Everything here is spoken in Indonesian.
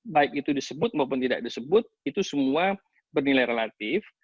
baik itu disebut maupun tidak disebut itu semua bernilai relatif